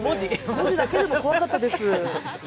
文字だけでも怖かったです。